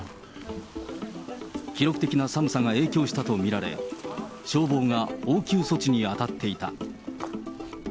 記録的な寒さが影響したと見られ、消防が応急措置に当たっていた。